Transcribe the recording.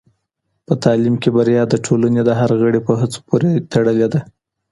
په تعلیم کې بریا د ټولنې د هر غړي په هڅو پورې تړلې ده.